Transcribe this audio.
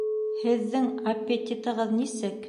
Һеҙҙең аппетитығыҙ нисек?